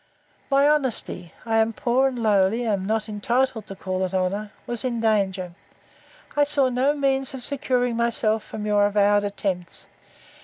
My honesty (I am poor and lowly, and am not entitled to call it honour) was in danger. I saw no means of securing myself from your avowed attempts.